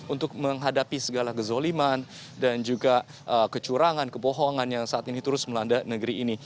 untuk menghadapi segala kezoliman dan juga kecurangan kebohongan yang saat ini terus melanda negeri ini